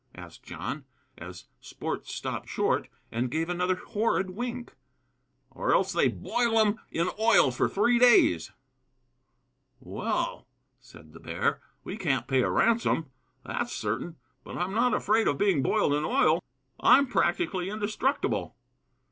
asked John, as Sport stopped short and gave another horrid wink. "Or else they boil 'em in oil for three days," was the reply. "Well," said the bear, "we can't pay a ransom, that's certain; but I'm not afraid of being boiled in oil. I'm practically indestructible."